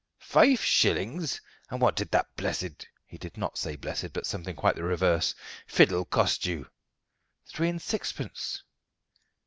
"Five shillings! And what did that blessed" (he did not say "blessed," but something quite the reverse) "fiddle cost you?" "Three and sixpence."